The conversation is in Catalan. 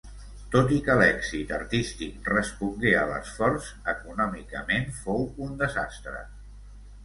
Tot i que l'èxit artístic respongué a l'esforç, econòmicament fou un desastre.